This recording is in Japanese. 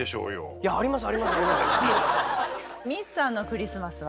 ミッツさんのクリスマスは？